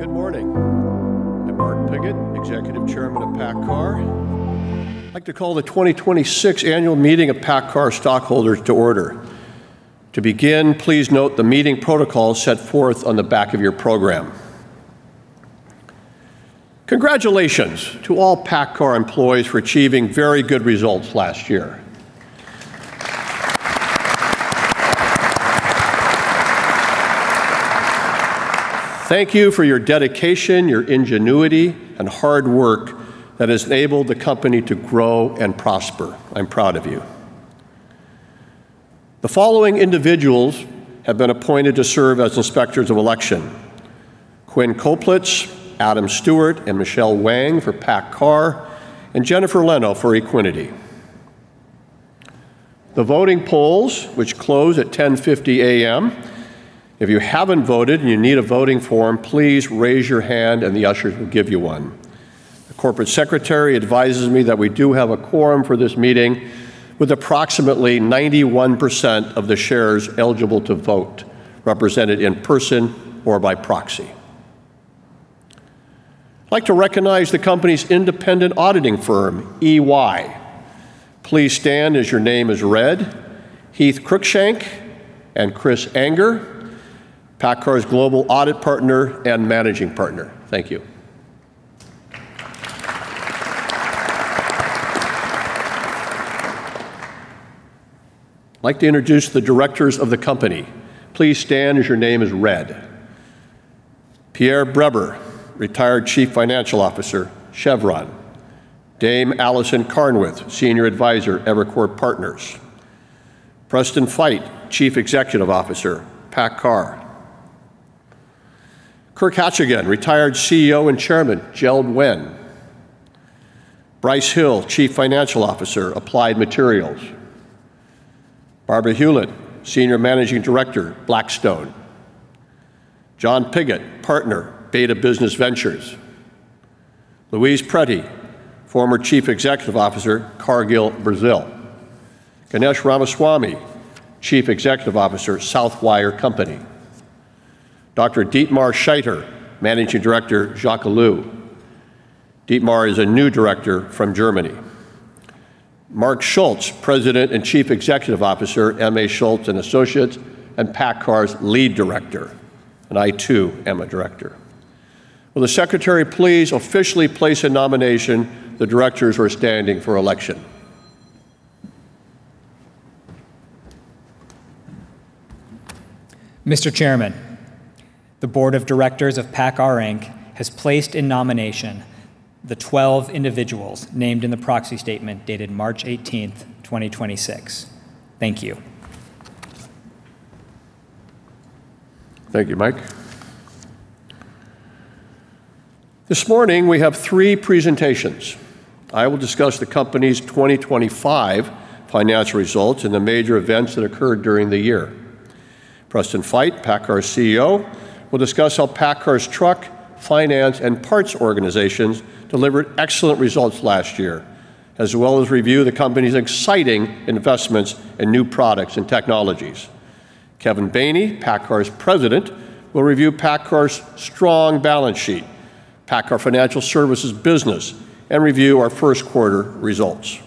Good morning. I'm Mark Pigott, Executive Chairman of PACCAR. I'd like to call the 2026 annual meeting of PACCAR stockholders to order. To begin, please note the meeting protocol set forth on the back of your program. Congratulations to all PACCAR employees for achieving very good results last year. Thank you for your dedication, your ingenuity, and hard work that has enabled the company to grow and prosper. I'm proud of you. The following individuals have been appointed to serve as inspectors of election. Quinn Copelitz, Adam Stewart, and Michelle Wang for PACCAR, and Jennifer Leno for Equiniti. The voting polls, which close at 10:50AM. If you haven't voted and you need a voting form, please raise your hand and the ushers will give you one. The corporate secretary advises me that we do have a quorum for this meeting, with approximately 91% of the shares eligible to vote represented in person or by proxy. I'd like to recognize the company's independent auditing firm, EY. Please stand as your name is read. Heath Cruikshank and Chris Anger, PACCAR's Global Audit Partner and Managing Partner. Thank you. I'd like to introduce the directors of the company. Please stand as your name is read. Pierre Breber, Retired Chief Financial Officer, Chevron. Dame Alison Carnwath, Senior Advisor, Evercore Partners. Preston Feight, Chief Executive Officer, PACCAR. Kirk Hachigian, Retired CEO and Chairman, JELD-WEN. Brice Hill, Chief Financial Officer, Applied Materials. Barbara Hulit, Senior Managing Director, Blackstone. John Pigott, Partner, Beta Business Ventures. Luiz Pretti, Former Chief Executive Officer, Cargill, Brazil. Ganesh Ramaswamy, Chief Executive Officer, Southwire Company. Dr. Dietmar Schneider, Managing Director, Jacquelot. Dietmar Schneider is a new director from Germany. Mark Schulz, President and Chief Executive Officer, M. A. Schulz and Associates, and PACCAR's Lead Director. I, too, am a director. Will the secretary please officially place a nomination the directors who are standing for election? Mr. Chairman, the Board of Directors of PACCAR Inc. has placed in nomination the 12 individuals named in the proxy statement dated 18 March 2026. Thank you. Thank you, Mike. This morning, we have three presentations. I will discuss the company's 2025 financial results and the major events that occurred during the year. Preston Feight, PACCAR's CEO, will discuss how PACCAR's truck, finance, and parts organizations delivered excellent results last year, as well as review the company's exciting investments in new products and technologies. Kevin Baney, PACCAR's President, will review PACCAR's strong balance sheet, PACCAR Financial Services business, and review our first quarter results.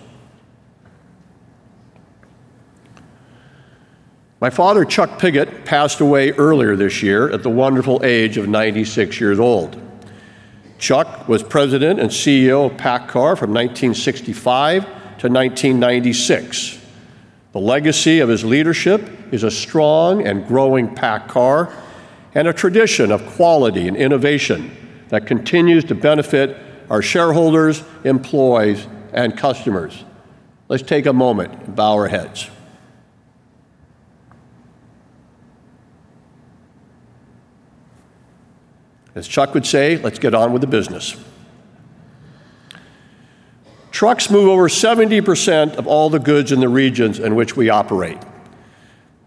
My father, Chuck Pigott, passed away earlier this year at the wonderful age of 96 years old. Chuck was President and CEO of PACCAR from 1965 to 1996. The legacy of his leadership is a strong and growing PACCAR and a tradition of quality and innovation that continues to benefit our shareholders, employees, and customers. Let's take a moment and bow our heads. As Chuck would say, let's get on with the business. Trucks move over 70% of all the goods in the regions in which we operate.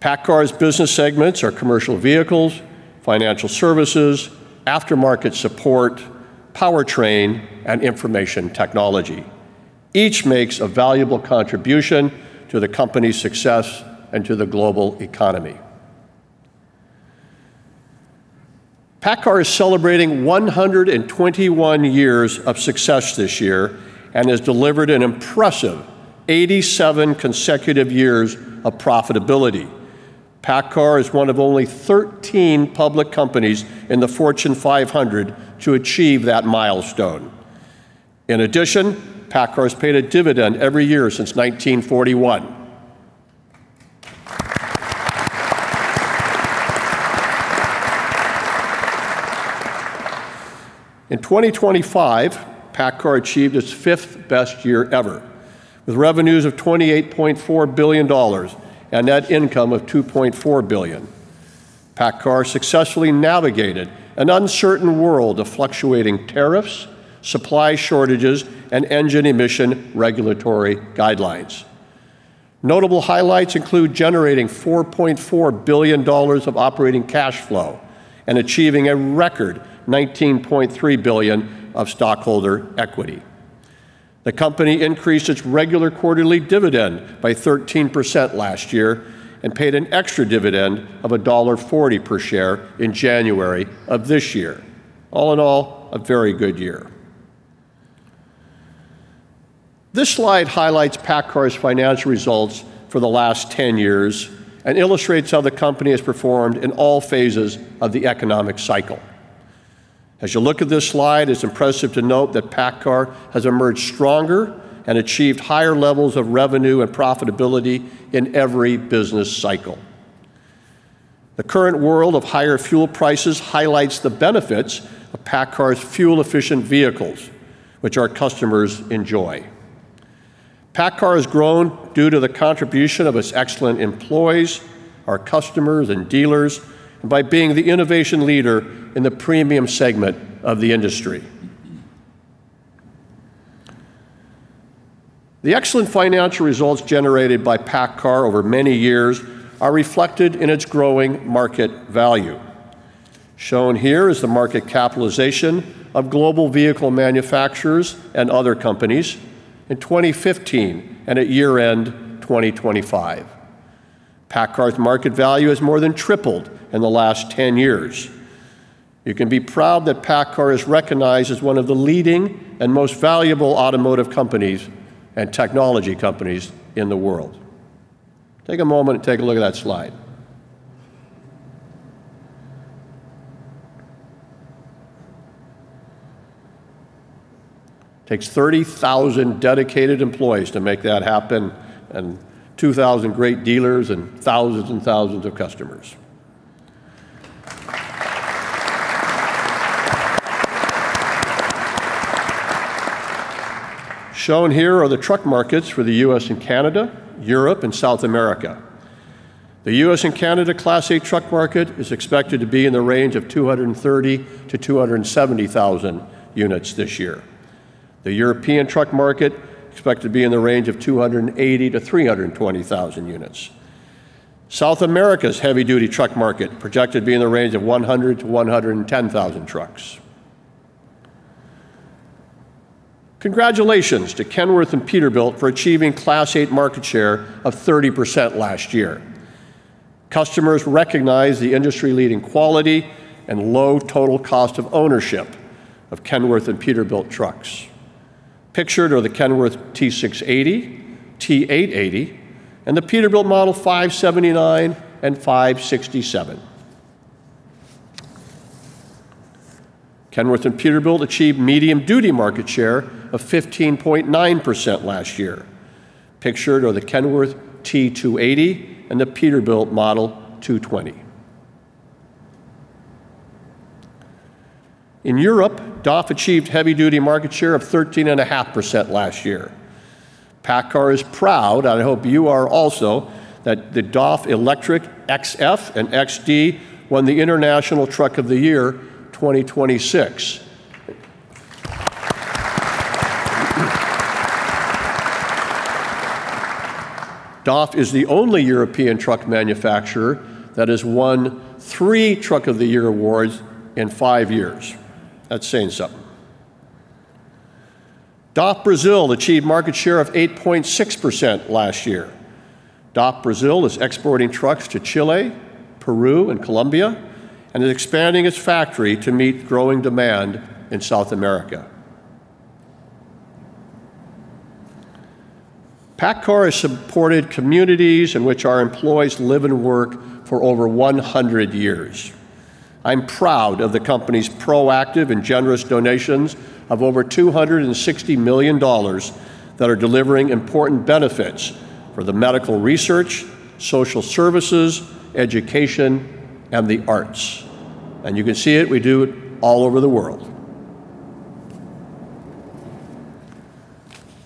PACCAR's business segments are commercial vehicles, financial services, aftermarket support, powertrain, and information technology. Each makes a valuable contribution to the company's success and to the global economy. PACCAR is celebrating 121 years of success this year and has delivered an impressive 87 consecutive years of profitability. PACCAR is one of only 13 public companies in the Fortune 500 to achieve that milestone. In addition, PACCAR has paid a dividend every year since 1941. In 2025, PACCAR achieved its fifth best year ever, with revenues of $28.4 billion and net income of $2.4 billion. PACCAR successfully navigated an uncertain world of fluctuating tariffs, supply shortages, and engine emission regulatory guidelines. Notable highlights include generating $4.4 billion of operating cash flow and achieving a record $19.3 billion of stockholder equity. The company increased its regular quarterly dividend by 13% last year and paid an extra dividend of $1.40 per share in January of this year. All in all, a very good year. This slide highlights PACCAR's financial results for the last 10 years and illustrates how the company has performed in all phases of the economic cycle. As you look at this slide, it's impressive to note that PACCAR has emerged stronger and achieved higher levels of revenue and profitability in every business cycle. The current world of higher fuel prices highlights the benefits of PACCAR's fuel-efficient vehicles, which our customers enjoy. PACCAR has grown due to the contribution of its excellent employees, our customers and dealers, and by being the innovation leader in the premium segment of the industry. The excellent financial results generated by PACCAR over many years are reflected in its growing market value. Shown here is the market capitalization of global vehicle manufacturers and other companies in 2015 and at year-end 2025. PACCAR's market value has more than tripled in the last 10 years. You can be proud that PACCAR is recognized as one of the leading and most valuable automotive companies and technology companies in the world. Take a moment and take a look at that slide. Takes 30,000 dedicated employees to make that happen, and 2,000 great dealers and thousands and thousands of customers. Shown here are the truck markets for the U.S. and Canada, Europe, and South America. The U.S. and Canada Class A truck market is expected to be in the range of 230,000-270,000 units this year. The European truck market expected to be in the range of 280,000-320,000 units. South America's heavy-duty truck market projected to be in the range of 100,000-110,000 trucks. Congratulations to Kenworth and Peterbilt for achieving Class eight market share of 30% last year. Customers recognize the industry-leading quality and low total cost of ownership of Kenworth and Peterbilt trucks. Pictured are the Kenworth T680, T880, and the Peterbilt Model 579 and 567. Kenworth and Peterbilt achieved medium-duty market share of 15.9% last year. Pictured are the Kenworth T280 and the Peterbilt Model 220. In Europe, DAF achieved heavy-duty market share of 13.5% last year. PACCAR is proud, and I hope you are also, that the DAF XF Electric and DAF XD Electric won the International Truck of the Year 2026. DAF is the only European truck manufacturer that has won three Truck of the Year awards in five years. That's saying something. DAF Brazil achieved market share of 8.6% last year. DAF Brazil is exporting trucks to Chile, Peru, and Colombia, and is expanding its factory to meet growing demand in South America. PACCAR has supported communities in which our employees live and work for over 100 years. I'm proud of the company's proactive and generous donations of over $260 million that are delivering important benefits for the medical research, social services, education, and the arts. You can see it, we do it all over the world.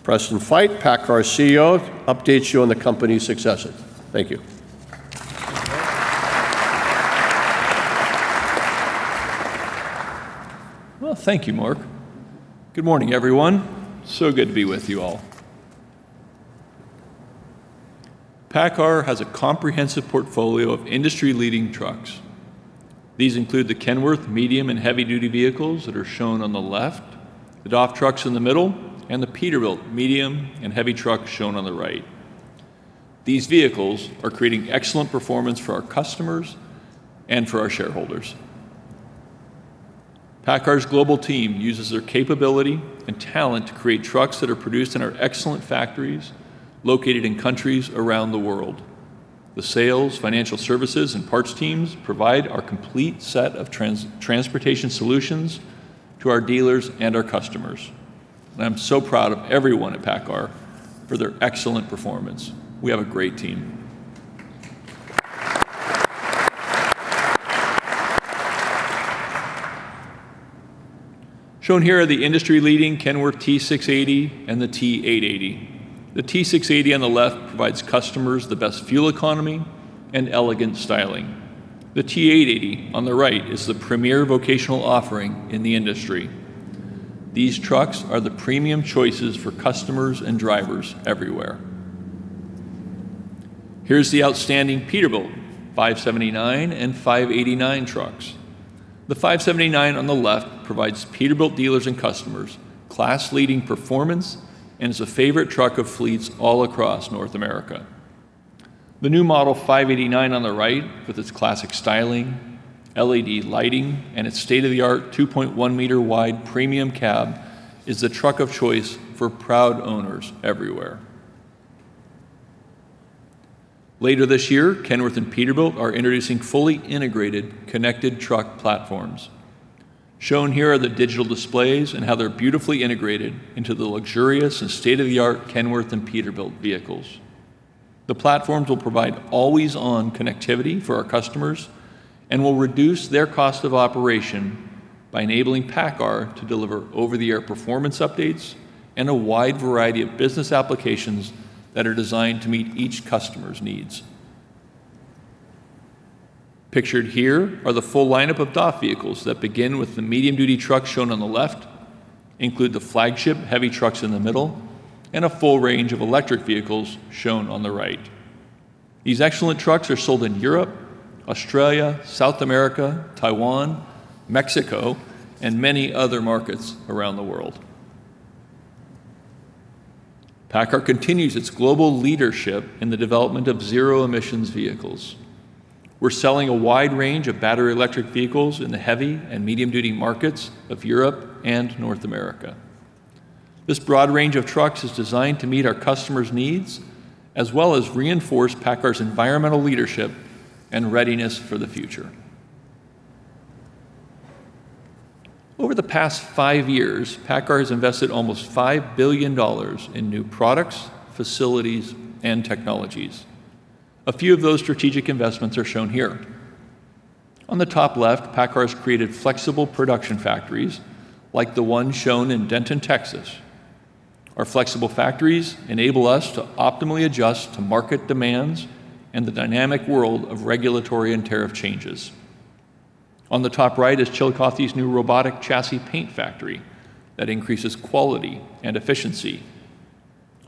Preston Feight, PACCAR's CEO, updates you on the company's successes. Thank you. Well, thank you, Mark. Good morning, everyone. Good to be with you all. PACCAR has a comprehensive portfolio of industry-leading trucks. These include the Kenworth medium and heavy-duty vehicles that are shown on the left, the DAF Trucks in the middle, and the Peterbilt medium and heavy trucks shown on the right. These vehicles are creating excellent performance for our customers and for our shareholders. PACCAR's global team uses their capability and talent to create trucks that are produced in our excellent factories located in countries around the world. The sales, financial services, and parts teams provide our complete set of trans-transportation solutions to our dealers and our customers. I'm so proud of everyone at PACCAR for their excellent performance. We have a great team. Shown here are the industry-leading Kenworth T680 and the T880. The T680 on the left provides customers the best fuel economy and elegant styling. The T880 on the right is the premier vocational offering in the industry. These trucks are the premium choices for customers and drivers everywhere. Here's the outstanding Peterbilt Model 579 and Model 589 trucks. The 579 on the left provides Peterbilt dealers and customers class-leading performance and is a favorite truck of fleets all across North America. The new Model 589 on the right, with its classic styling, LED lighting, and its state-of-the-art 2.1 meter wide premium cab, is the truck of choice for proud owners everywhere. Later this year, Kenworth and Peterbilt are introducing fully integrated connected truck platforms. Shown here are the digital displays and how they're beautifully integrated into the luxurious and state-of-the-art Kenworth and Peterbilt vehicles. The platforms will provide always-on connectivity for our customers and will reduce their cost of operation by enabling PACCAR to deliver over-the-air performance updates and a wide variety of business applications that are designed to meet each customer's needs. Pictured here are the full lineup of DAF vehicles that begin with the medium-duty trucks shown on the left, include the flagship heavy trucks in the middle, and a full range of electric vehicles shown on the right. These excellent trucks are sold in Europe, Australia, South America, Taiwan, Mexico, and many other markets around the world. PACCAR continues its global leadership in the development of zero-emissions vehicles. We're selling a wide range of battery electric vehicles in the heavy and medium-duty markets of Europe and North America. This broad range of trucks is designed to meet our customers' needs as well as reinforce PACCAR's environmental leadership and readiness for the future. Over the past five years, PACCAR has invested almost $5 billion in new products, facilities, and technologies. A few of those strategic investments are shown here. On the top left, PACCAR has created flexible production factories like the one shown in Denton, Texas. Our flexible factories enable us to optimally adjust to market demands and the dynamic world of regulatory and tariff changes. On the top right is Chillicothe's new robotic chassis paint factory that increases quality and efficiency.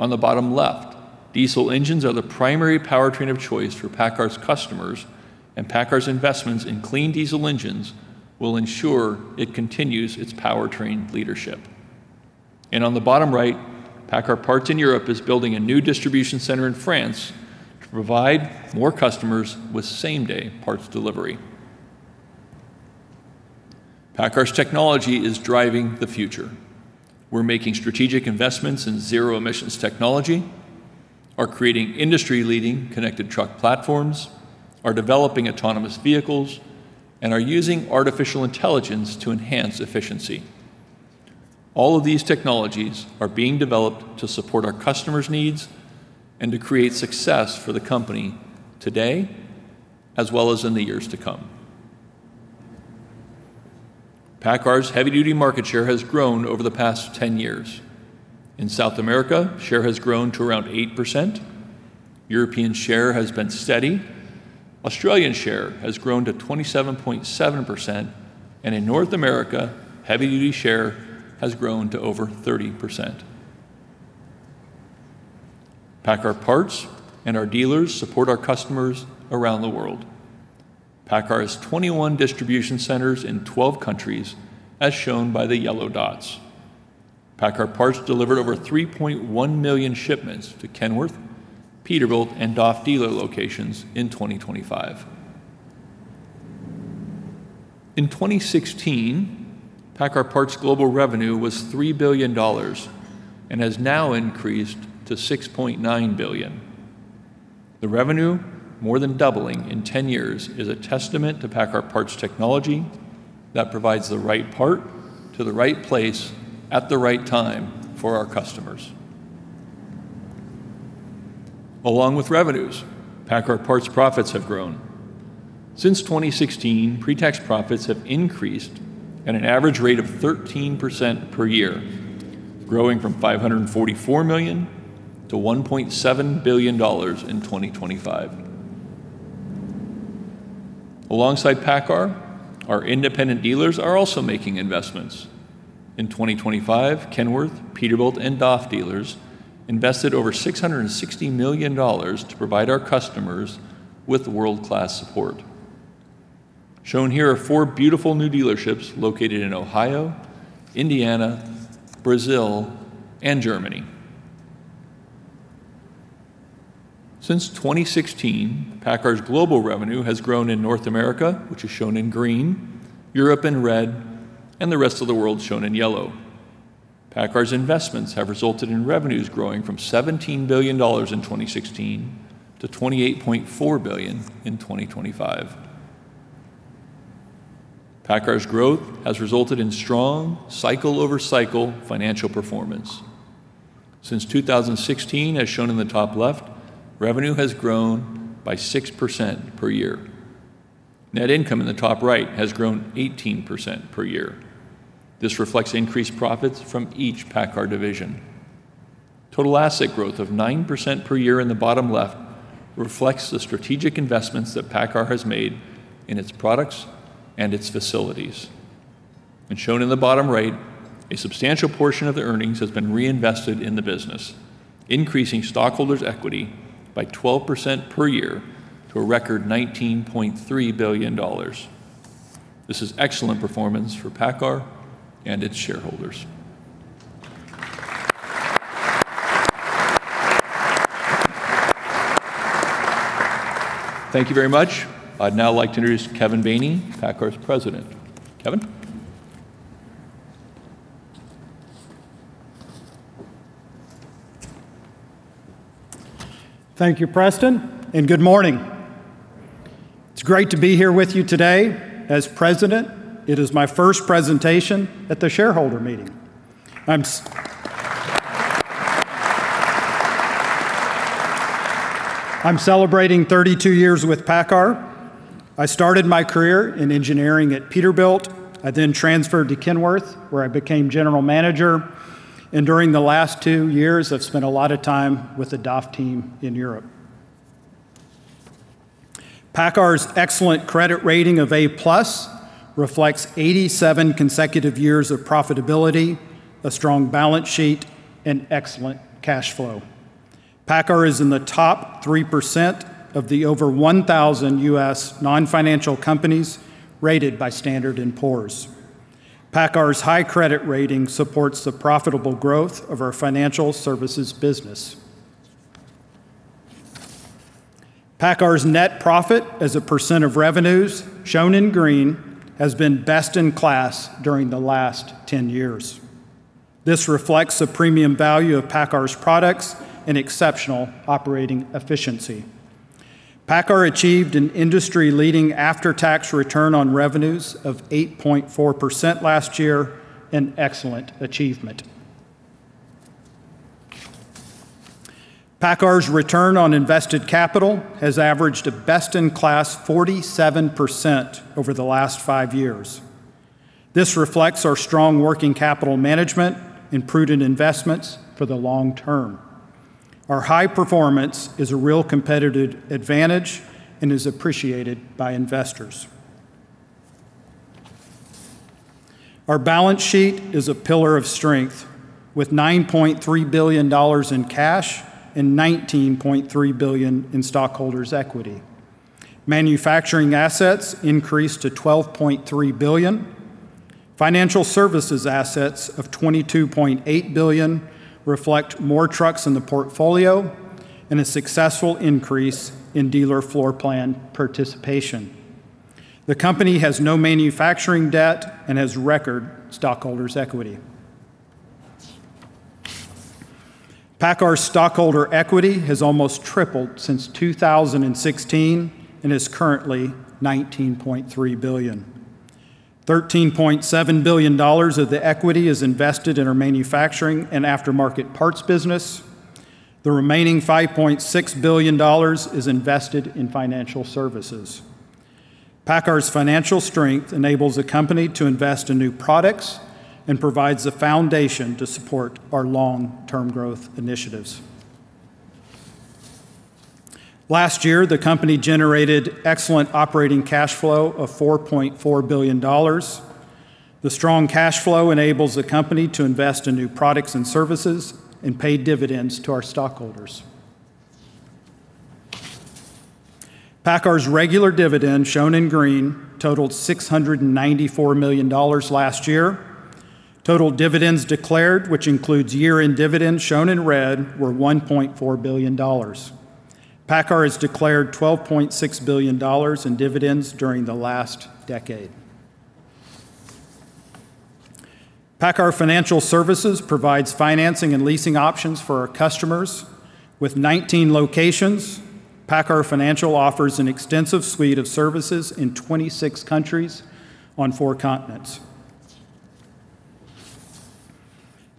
On the bottom left, diesel engines are the primary powertrain of choice for PACCAR's customers, and PACCAR's investments in clean diesel engines will ensure it continues its powertrain leadership. On the bottom right, PACCAR Parts in Europe is building a new distribution center in France to provide more customers with same-day parts delivery. PACCAR's technology is driving the future. We're making strategic investments in zero-emissions technology, are creating industry-leading connected truck platforms, are developing autonomous vehicles, and are using artificial intelligence to enhance efficiency. All of these technologies are being developed to support our customers' needs and to create success for the company today as well as in the years to come. PACCAR's heavy-duty market share has grown over the past 10 years. In South America, share has grown to around 8%. European share has been steady. Australian share has grown to 27.7%. In North America, heavy-duty share has grown to over 30%. PACCAR Parts and our dealers support our customers around the world. PACCAR has 21 distribution centers in 12 countries, as shown by the yellow dots. PACCAR Parts delivered over 3.1 million shipments to Kenworth, Peterbilt, and DAF dealer locations in 2025. In 2016, PACCAR Parts' global revenue was $3 billion and has now increased to $6.9 billion. The revenue, more than doubling in 10 years, is a testament to PACCAR Parts' technology that provides the right part to the right place at the right time for our customers. Along with revenues, PACCAR Parts' profits have grown. Since 2016, pre-tax profits have increased at an average rate of 13% per year, growing from $544 million to $1.7 billion in 2025. Alongside PACCAR, our independent dealers are also making investments. In 2025, Kenworth, Peterbilt, and DAF dealers invested over $660 million to provide our customers with world-class support. Shown here are four beautiful new dealerships located in Ohio, Indiana, Brazil, and Germany. Since 2016, PACCAR's global revenue has grown in North America, which is shown in green, Europe in red, and the rest of the world shown in yellow. PACCAR's investments have resulted in revenues growing from $17 billion in 2016 to $28.4 billion in 2025. PACCAR's growth has resulted in strong cycle-over-cycle financial performance. Since 2016, as shown in the top left, revenue has grown by 6% per year. Net income in the top right has grown 18% per year. This reflects increased profits from each PACCAR division. Total asset growth of 9% per year in the bottom left reflects the strategic investments that PACCAR has made in its products and its facilities. Shown in the bottom right, a substantial portion of the earnings has been reinvested in the business, increasing stockholders' equity by 12% per year to a record $19.3 billion. This is excellent performance for PACCAR and its shareholders. Thank you very much. I'd now like to introduce Kevin Baney, PACCAR's President. Kevin? Thank you, Preston, and good morning. It's great to be here with you today. As president, it is my first presentation at the shareholder meeting. I'm celebrating 32 years with PACCAR. I started my career in engineering at Peterbilt. I then transferred to Kenworth, where I became general manager, and during the last two years, I've spent a lot of time with the DAF team in Europe. PACCAR's excellent credit rating of A+ reflects 87 consecutive years of profitability, a strong balance sheet, and excellent cash flow. PACCAR is in the top 3% of the over 1,000 U.S. non-financial companies rated by Standard & Poor's. PACCAR's high credit rating supports the profitable growth of our financial services business. PACCAR's net profit as a percent of revenues, shown in green, has been best in class during the last 10 years. This reflects the premium value of PACCAR's products and exceptional operating efficiency. PACCAR achieved an industry-leading after-tax return on revenues of 8.4% last year, an excellent achievement. PACCAR's return on invested capital has averaged a best in class 47% over the last five years. This reflects our strong working capital management and prudent investments for the long term. Our high performance is a real competitive advantage and is appreciated by investors. Our balance sheet is a pillar of strength, with $9.3 billion in cash and $19.3 billion in stockholders' equity. Manufacturing assets increased to $12.3 billion. Financial services assets of $22.8 billion reflect more trucks in the portfolio and a successful increase in dealer floor plan participation. The company has no manufacturing debt and has record stockholders' equity. PACCAR stockholder equity has almost tripled since 2016 and is currently $19.3 billion. $13.7 billion of the equity is invested in our manufacturing and aftermarket parts business. The remaining $5.6 billion is invested in financial services. PACCAR's financial strength enables the company to invest in new products and provides the foundation to support our long-term growth initiatives. Last year, the company generated excellent operating cash flow of $4.4 billion. The strong cash flow enables the company to invest in new products and services and pay dividends to our stockholders. PACCAR's regular dividend, shown in green, totaled $694 million last year. Total dividends declared, which includes year-end dividends, shown in red, were $1.4 billion. PACCAR has declared $12.6 billion in dividends during the last decade. PACCAR Financial Services provides financing and leasing options for our customers. With 19 locations, PACCAR Financial offers an extensive suite of services in 26 countries on four continents.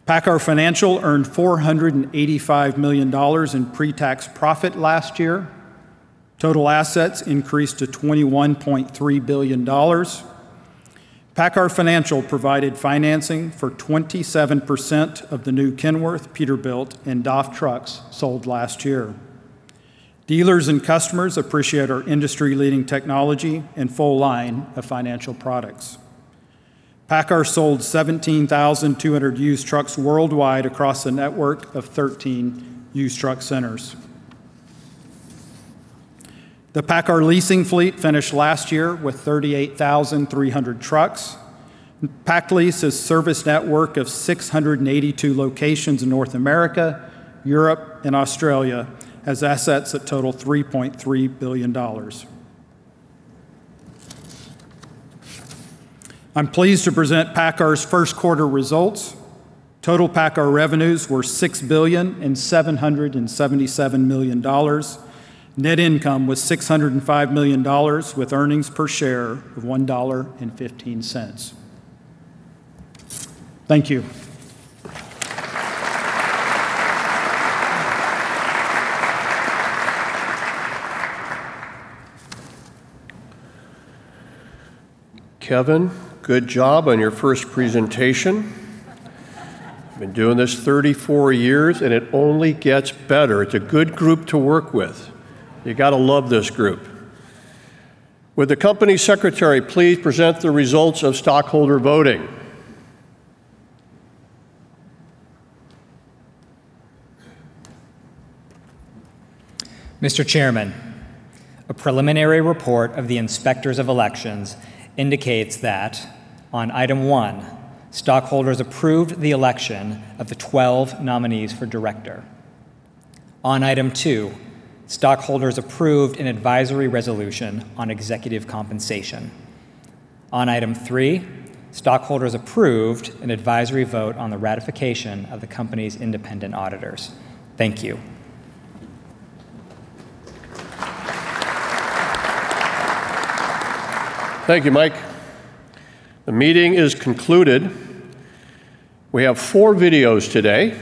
PACCAR Financial earned $485 million in pre-tax profit last year. Total assets increased to $21.3 billion. PACCAR Financial provided financing for 27% of the new Kenworth, Peterbilt, and DAF trucks sold last year. Dealers and customers appreciate our industry-leading technology and full line of financial products. PACCAR sold 17,200 used trucks worldwide across a network of 13 used truck centers. The PACCAR leasing fleet finished last year with 38,300 trucks. PacLease's service network of 682 locations in North America, Europe, and Australia has assets that total $3.3 billion. I'm pleased to present PACCAR's first quarter results. Total PACCAR revenues were $6.777 billion. Net income was $605 million, with earnings per share of $1.15. Thank you. Kevin, good job on your first presentation. I've been doing this 34 years and it only gets better. It's a good group to work with. You gotta love this group. Would the company secretary please present the results of stockholder voting? Mr. Chairman, a preliminary report of the inspectors of elections indicates that on item one, stockholders approved the election of the 12 nominees for director. On item two, stockholders approved an advisory resolution on executive compensation. On item three, stockholders approved an advisory vote on the ratification of the company's independent auditors. Thank you. Thank you, Mike. The meeting is concluded. We have four videos today.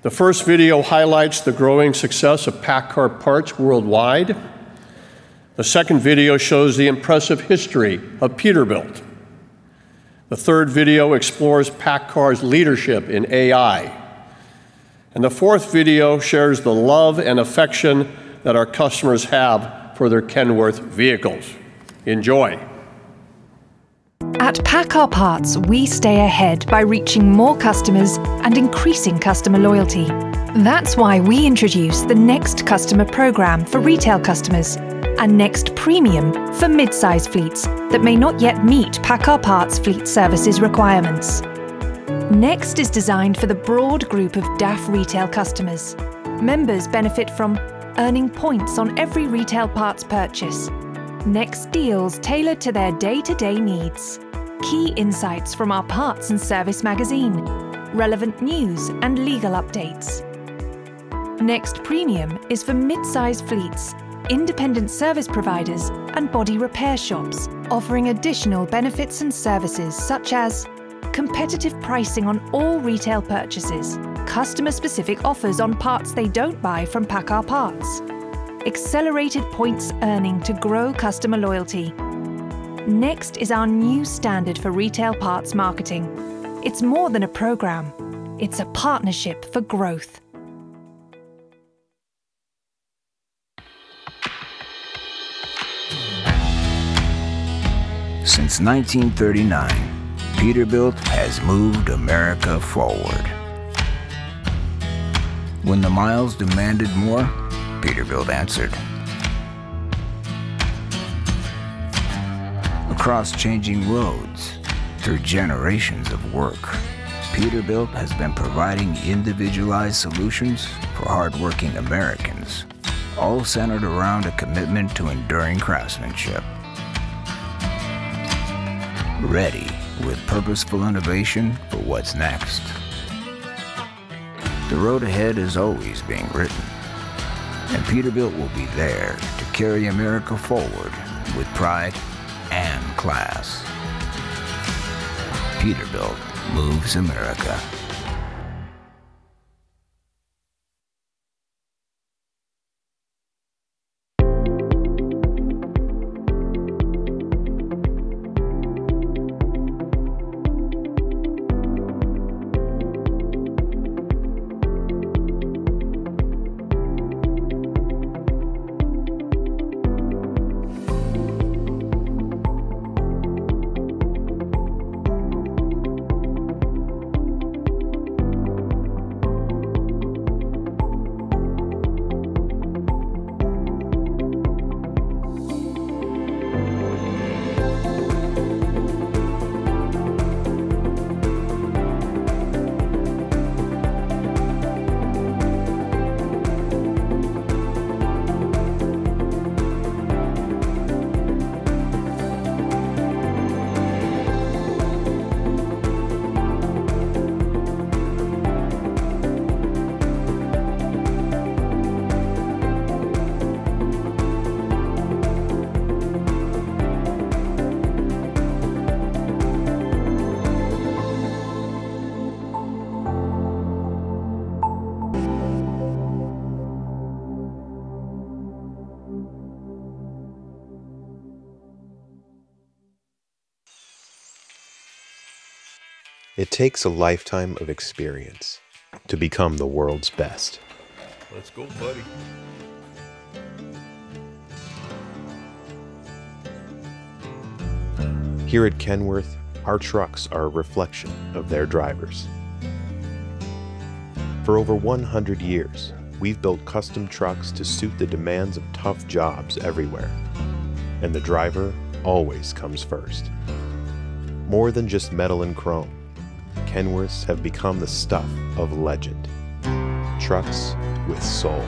The first video highlights the growing success of PACCAR Parts worldwide. The second video shows the impressive history of Peterbilt. The third video explores PACCAR's leadership in AI. The fourth video shares the love and affection that our customers have for their Kenworth vehicles. Enjoy. At PACCAR Parts, we stay ahead by reaching more customers and increasing customer loyalty. That's why we introduced the Next Customer Program for retail customers, and Next Premium for mid-size fleets that may not yet meet PACCAR Parts Fleet Services requirements. Next is designed for the broad group of DAF retail customers. Members benefit from earning points on every retail parts purchase. Next deals tailored to their day-to-day needs. Key insights from our Parts and Service magazine. Relevant news and legal updates. Next Premium is for mid-size fleets, independent service providers, and body repair shops, offering additional benefits and services such as competitive pricing on all retail purchases, customer-specific offers on parts they don't buy from PACCAR Parts, accelerated points earning to grow customer loyalty. Next is our new standard for retail parts marketing. It's more than a program. It's a partnership for growth. Since 1939, Peterbilt has moved America forward. When the miles demanded more, Peterbilt answered. Across changing roads to generations of work Peterbilt has been providing individualized solutions for hardworking Americans all centered around to commitment to enduring craftsmanship. Ready with purposeful innovation for what's next. The road ahead is already been written and Peterbilt will be there to carryforward with pride and class. Peterbilt moves America. It takes a lifetime of experience to become the world's best. Let's go, buddy. Here at Kenworth, our trucks are a reflection of their drivers. For over 100 years, we've built custom trucks to suit the demands of tough jobs everywhere, and the driver always comes first. More than just metal and chrome, Kenworths have become the stuff of legend, trucks with soul.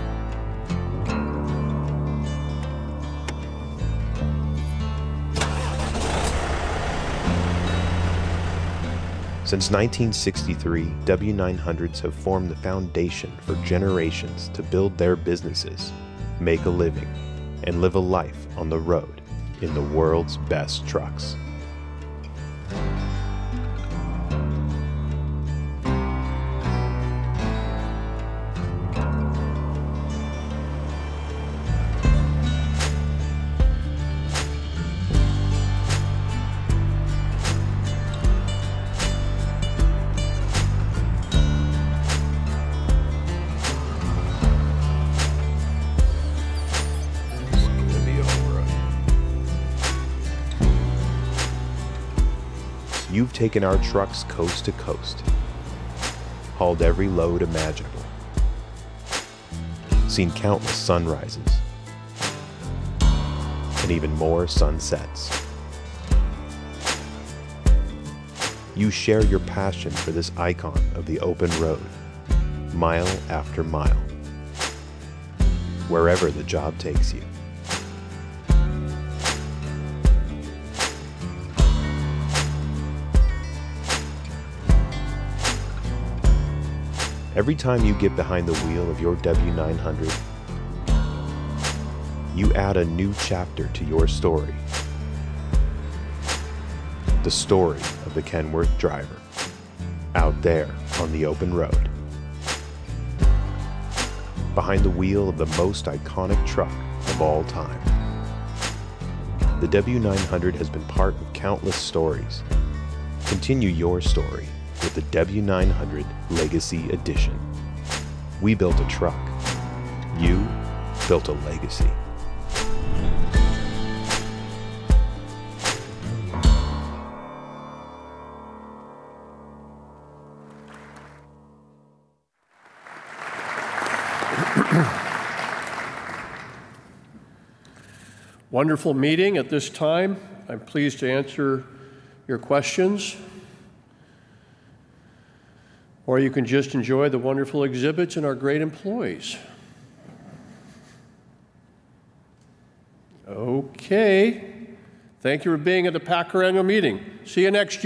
Since 1963, W900s have formed the foundation for generations to build their businesses, make a living, and live a life on the road in the world's best trucks. You've taken our trucks coast to coast, hauled every load imaginable, seen countless sunrises, and even more sunsets. You share your passion for this icon of the open road, mile after mile, wherever the job takes you. Every time you get behind the wheel of your W900, you add a new chapter to your story, the story of the Kenworth driver out there on the open road, behind the wheel of the most iconic truck of all time. The W900 has been part of countless stories. Continue your story with the W900 Legacy Edition. We built a truck, you built a legacy. Wonderful meeting. At this time, I'm pleased to answer your questions, or you can just enjoy the wonderful exhibits and our great employees. Okay. Thank you for being at the PACCAR Annual Meeting. See you next year